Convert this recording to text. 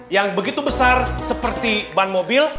yang begitu besar seperti ban mobil